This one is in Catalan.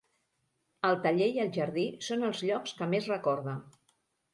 El taller i el jardí són els llocs que més recorda.